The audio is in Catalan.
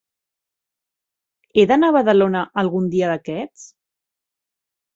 He d'anar a Badalona algun dia d'aquests?